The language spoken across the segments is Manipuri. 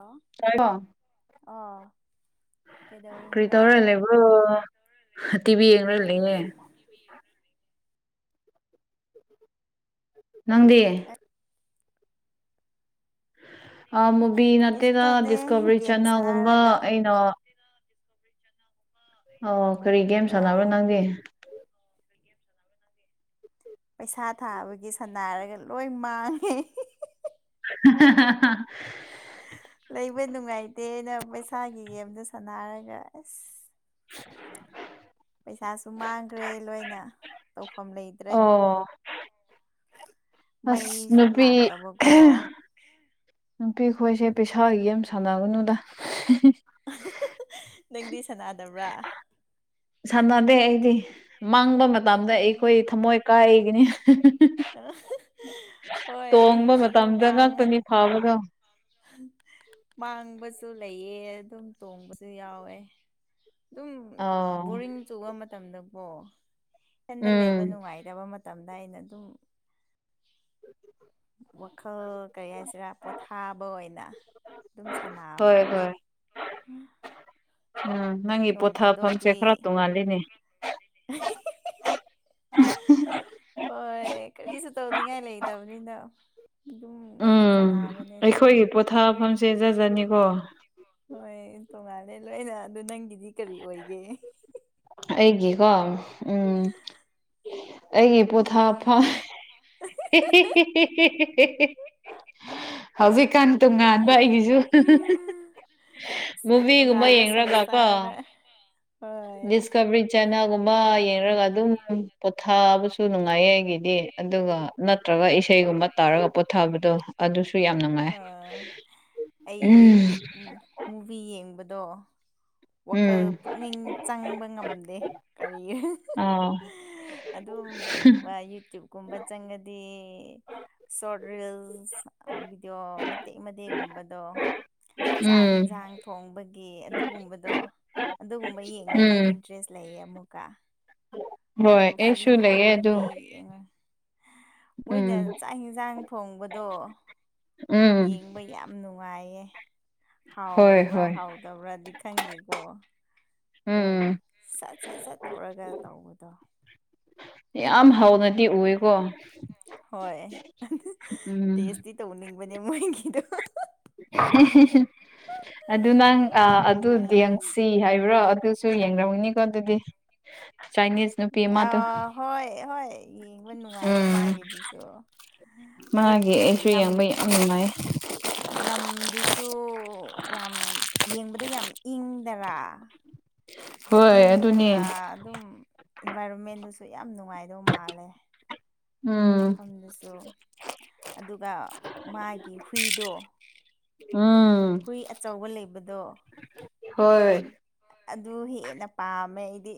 ꯑ [inaudible] ꯑ ꯀꯔꯤ ꯇꯧꯔꯜ ꯂꯦꯕ꯭ꯔꯣ ꯇꯤꯚꯤ ꯌꯦꯡꯅ ꯂꯩꯅꯦ ꯅꯪꯗꯤ ꯃꯨꯚ ꯀꯩꯁꯨ ꯅꯠꯇꯦꯗ ꯇꯧꯗꯦ ꯗꯤꯁꯀꯣꯕꯔꯤ ꯆꯅꯜꯒꯨꯝꯕ ꯑꯩꯅ [unintelligible] ꯀꯣ ꯆꯪꯕ ꯑꯣ ꯀꯔꯤ ꯒꯦꯝ ꯁꯥꯟꯅꯕ꯭ꯔꯣ ꯅꯪꯗꯤ ꯑꯣ [unintelligible] ꯄꯩꯁꯥ ꯊꯥꯕꯒꯤ ꯁꯟꯅꯥꯏꯔꯒ ꯂꯣꯏ ꯃꯥꯡꯉꯦ [inaudible] ꯂꯩꯕ ꯅꯨꯡꯉꯥꯏꯇꯦꯅ ꯄꯩꯁꯥꯒꯤ ꯒꯦꯝꯗꯣ ꯁꯥꯟꯅꯔꯒ ꯑꯁ [unintelligible] ꯄꯩꯁꯥꯁꯨ ꯃꯥꯡꯈ꯭ꯔꯦ ꯂꯣꯏꯅ ꯇꯧꯐꯝ ꯂꯩꯇ꯭ꯔꯦ ꯑꯣ ꯑꯁ ꯃꯩꯁꯨ ꯅꯨꯄꯤ ꯂꯥꯛꯇꯕꯀꯣ ꯅꯨꯄꯤ ꯈꯣꯏꯁꯦ ꯄꯩꯁꯥꯒꯤ ꯌꯦꯝ ꯁꯥꯟꯅꯒꯅꯨꯗ ꯅꯪꯗꯤ ꯁꯅꯥꯗꯕ꯭ꯔꯥ ꯁꯥꯟꯅꯗꯦ ꯑꯩꯗꯤ ꯃꯥꯡꯕ ꯃꯇꯝꯗ ꯎꯝ ꯑꯩꯈꯣꯏ ꯊꯝꯃꯣꯏ ꯀꯥꯏꯒꯅꯤ ꯍꯣꯏ ꯇꯣꯡꯕ ꯑꯗꯨ ꯃꯇꯝꯗ ꯃꯥꯡ ꯉꯥꯛꯇꯅꯤ ꯐꯥꯕꯒ [unintelligible] ꯃꯥꯡꯕꯁꯨ ꯂꯩꯑ ꯑꯗꯨꯝ ꯇꯣꯡꯕꯁꯨ ꯌꯥꯎꯋꯦ ꯑꯗꯨꯝ ꯑꯥꯎ ꯕꯣꯔꯤꯡ ꯆꯨꯕ ꯃꯇꯝꯗꯀꯣ ꯏꯊꯟꯗ ꯎꯝ ꯂꯩꯕ ꯅꯨꯡꯉꯥꯏꯇꯕ ꯃꯇꯝ ꯃꯇꯝꯗ ꯑꯩꯅ ꯑꯗꯨꯝ ꯋꯥꯈꯜ ꯀꯔꯤ ꯍꯥꯏꯁꯤꯔꯥ ꯄꯣꯊꯥꯕ ꯑꯣꯏꯅ ꯑꯗꯨꯝ ꯁꯥꯟꯅꯕ ꯍꯣꯏ ꯍꯣꯏ ꯎꯝ ꯅꯪꯒꯤ ꯅꯣꯡ ꯄꯣꯊꯥꯐꯝꯁꯦ ꯐꯥꯗꯣꯛꯇꯤ ꯈꯔ ꯇꯣꯡꯉꯥꯜꯂꯤꯅꯦ [unintelligible] ꯍꯣꯏ ꯀꯔꯤꯁꯨ ꯇꯧꯅꯤꯡꯉꯥꯏ ꯂꯩꯇꯕꯅꯤꯅ ꯌꯨꯝ ꯎꯝ ꯑꯩꯈꯣꯏꯒꯤ ꯄꯣꯊꯥꯐꯝꯁꯦ ꯖꯠꯖꯅꯤꯀꯣ ꯍꯣꯏ ꯇꯣꯉꯥꯜꯂꯦ ꯂꯣꯏꯅ ꯑꯗꯨ ꯅꯪꯒꯤꯗꯤ ꯀꯔꯤ ꯑꯣꯏꯒꯦ ꯑꯩꯒꯤꯀꯣ ꯎꯝ ꯑꯩꯒꯤ ꯄꯣꯊꯥ ꯐꯝ [unintelligible] ꯍꯧꯖꯤꯛꯀꯥꯟ ꯇꯣꯉꯥꯟꯕ ꯑꯩꯒꯤꯁꯨ ꯃꯨꯚꯤꯒꯨꯝꯕ ꯇꯣꯉꯥꯟꯅ ꯌꯦꯡꯔꯒ ꯀꯣ ꯁꯪꯁꯥꯔꯗ ꯍꯣꯏ ꯅꯥꯒꯨꯝꯕ ꯌꯦꯡꯔꯒ ꯑꯗꯨꯝ ꯄꯣꯊꯥꯕꯁꯨ ꯅꯨꯡꯉꯥꯏꯌꯦ ꯑꯩꯒꯤꯗꯤ ꯑꯗꯨꯒ ꯅꯠꯇ꯭ꯔꯒ ꯏꯁꯩꯒꯨꯝꯕ ꯇꯥꯔꯒ ꯄꯣꯊꯕꯗꯣ ꯑꯗꯨꯁꯨ ꯌꯥꯝ ꯅꯨꯡꯉꯥꯏ ꯑꯥ ꯑꯩꯗꯤ ꯎꯝ ꯃꯨꯚꯤ ꯌꯦꯡꯕꯗꯣ ꯋꯥꯈꯜ ꯎꯝ ꯄꯨꯛꯅꯤꯡ ꯆꯪꯕ ꯉꯝꯗꯦ ꯀꯔꯤ ꯑꯥ ꯑꯗꯨꯝ ꯌꯨꯇ꯭ꯌꯕꯀꯨꯝꯕ ꯆꯪꯒꯗꯤ ꯁꯣꯔꯠ ꯔꯤꯜꯁ ꯚꯤꯗꯤꯑꯣ ꯃꯇꯦꯛ ꯃꯇꯦꯛꯒꯨꯝꯕꯗꯣ ꯆꯥꯛ ꯎꯝ ꯍꯤꯟꯖꯥꯡ ꯊꯣꯡꯕꯒꯤ ꯑꯗꯨꯒꯨꯝꯕꯗꯣ ꯑꯗꯨꯒꯨꯝ ꯌꯦꯡꯕꯗꯤ ꯎꯝ ꯏꯟꯇꯔꯦꯁ ꯂꯩꯌꯦ ꯑꯃꯨꯛꯀ [inaudible] ꯑꯗꯣ ꯑꯩꯁꯨ ꯐꯤꯂꯝ ꯂꯩꯌꯦ ꯑꯗꯨ ꯃꯨꯚꯤ ꯃꯣꯏꯅ ꯎꯝ ꯆꯥꯛ ꯌꯦꯟꯁꯥꯡ ꯊꯣꯡꯕꯗꯣ ꯎꯝ ꯌꯦꯡꯕ ꯌꯥꯝ ꯅꯨꯡꯉꯥꯏꯌꯦ ꯍꯣꯏ ꯍꯥꯎꯕ꯭ꯔꯥ ꯍꯣꯏ ꯍꯥꯎꯗꯕ꯭ꯔꯥꯗꯤ ꯈꯪꯗꯦꯀꯣ ꯑꯗꯨꯝ ꯎꯝ ꯁꯠ ꯁꯠ ꯁꯠ ꯇꯧꯔꯒ ꯇꯧꯕꯗꯣ ꯌꯥꯝ ꯍꯧꯅꯗꯤ ꯎꯏꯀꯣ ꯍꯣꯏ ꯎꯝ ꯇꯦꯁꯇꯤ ꯇꯧꯅꯤꯡꯕꯅꯦ ꯃꯣꯏꯒꯤꯗꯣ [unintelligible] [unintelligible] ꯑꯗꯨ ꯅꯪ ꯑꯗꯨꯗꯤꯡꯁꯤ ꯍꯥꯏꯕ꯭ꯔꯣ ꯑꯗꯨꯁꯨ ꯌꯦꯡꯔꯝꯅꯤꯀꯣ ꯑꯗꯨꯗꯤ ꯆꯥꯏꯅꯤꯁ ꯅꯨꯄꯤ ꯑꯃꯗꯣ ꯑꯥ ꯍꯣꯏ ꯍꯣꯏ ꯌꯦꯡꯕ ꯅꯨꯡꯉꯥꯏꯌꯦ ꯎꯝ ꯃꯥꯒꯤꯗꯨꯁꯨ ꯃꯥꯒꯤ ꯃꯣꯏꯒꯤꯗꯤ ꯑꯩꯁꯨ ꯂꯝ ꯌꯦꯡꯕ ꯌꯥꯝ ꯅꯨꯡꯉꯥꯏ ꯂꯝꯗꯨꯁꯨ ꯌꯥꯝ ꯌꯦꯡꯕꯗ ꯌꯥꯝ ꯏꯪꯗꯔꯥ ꯍꯣꯏ ꯑꯗꯨꯅꯦ ꯏꯪꯉꯒ ꯑꯗꯨꯝ ꯏꯟꯚꯥꯏꯔꯣꯟꯃꯦꯟꯗꯨꯁꯨ ꯌꯥꯝ ꯅꯨꯡꯉꯥꯏꯗꯧ ꯃꯥꯜꯂꯦ ꯎꯝ ꯃꯐꯝꯗꯨꯁꯨ ꯑꯗꯨꯒ ꯃꯥꯒꯤ ꯍꯨꯏꯗꯣ ꯎꯝ ꯍꯨꯏ ꯑꯆꯧꯕ ꯂꯩꯕꯗꯣ ꯍꯣꯏ ꯑꯗꯨ ꯍꯦꯟꯅ ꯄꯥꯝꯃꯦ ꯑꯩꯗꯤ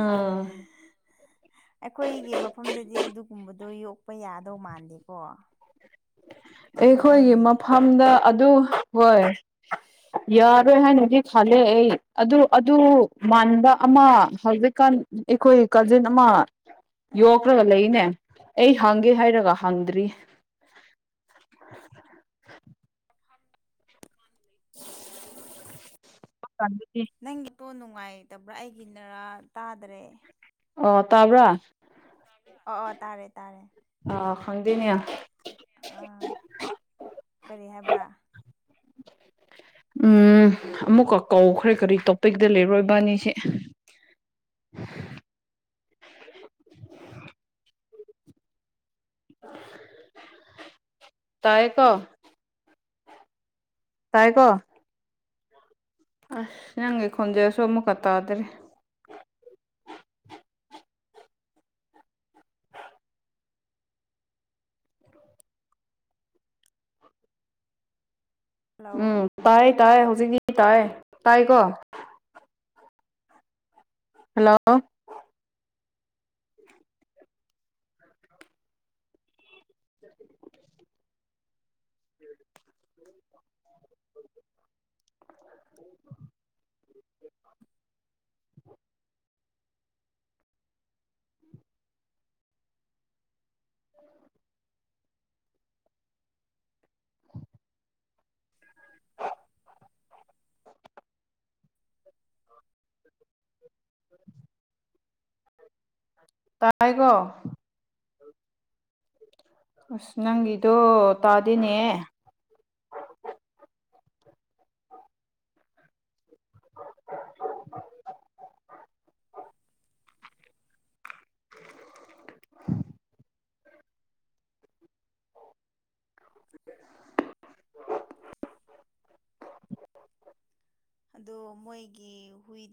ꯎꯝ [unintelligible] ꯑꯩꯈꯣꯏꯒꯤ ꯃꯐꯝꯗꯗꯤ ꯑꯗꯨꯒꯨꯝꯕꯗꯣ ꯌꯣꯛꯄ ꯌꯥꯗꯧ ꯃꯥꯟꯗꯦꯀꯣ ꯑꯩꯈꯣꯏꯒꯤ ꯌꯣꯛꯅꯤꯡꯉꯦ ꯃꯐꯝꯗ ꯑꯗꯨ ꯍꯣꯏ ꯌꯥꯔꯣꯏ ꯍꯥꯏꯅꯗꯤ ꯈꯂꯦ ꯑꯩ ꯑꯗꯨ ꯑꯗꯨ ꯃꯥꯟꯕ ꯑꯃ ꯍꯧꯖꯤꯛꯀꯥꯟ ꯑꯩꯈꯣꯏ ꯀꯖꯤꯟ ꯑꯃ ꯌꯣꯛꯈ꯭ꯒ ꯂꯩꯅꯦ ꯑꯩ ꯍꯪꯒꯦ ꯍꯥꯏꯔꯒ ꯍꯪꯗ꯭ꯔꯤ꯫ [inaudible] [inaudible] [unintelligible] ꯅꯪꯒꯤꯇꯣ ꯅꯨꯡꯉꯥꯏꯇꯕ꯭ꯔꯥ ꯑꯩꯒꯤꯅꯔꯥ ꯇꯥꯗ꯭ꯔꯦ ꯑꯣ ꯇꯥꯕ꯭ꯔꯥ ꯑꯣ ꯑꯣ ꯇꯥꯔꯦ ꯇꯥꯔꯦ ꯑ ꯈꯪꯗꯦꯅꯦꯌꯥ ꯑꯥ ꯀꯔꯤ ꯍꯥꯏꯕ꯭ꯔꯥ? ꯎꯝ ꯑꯃꯨꯛꯀ ꯀꯧꯈ꯭ꯔꯦ ꯀꯔꯤ ꯇꯣꯄꯤꯛꯇ ꯂꯩꯔꯣꯏ ꯏꯕꯥꯅꯤꯁꯦ꯫ [inaudible] [inaudible] ꯇꯥꯏꯀꯣ ꯇꯥꯏꯀꯣ ꯑꯁ ꯅꯪꯒꯤ ꯈꯣꯟꯖꯦꯜꯁꯨ ꯑꯃꯨꯛꯀ ꯇꯥꯗꯔꯤ꯫ ꯍꯜꯂꯣ ꯎꯝ ꯇꯥꯏ ꯇꯥꯏ ꯍꯧꯖꯤꯛꯇꯤ ꯇꯥꯏ ꯇꯥꯏꯀꯣ ꯍꯜꯂꯣ [inaudible] [inaudible] [inaudible] ꯇꯥꯏꯀꯣ ꯑꯁ ꯅꯪꯒꯤꯗꯣ ꯇꯥꯗꯅꯦ꯫ [inaudible] ꯑꯗꯣ ꯃꯣꯏꯒꯤ ꯍꯨꯏꯗꯣ